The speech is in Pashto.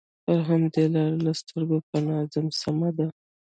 پر همدې لاره له سترګو پناه ځم، سمه ده.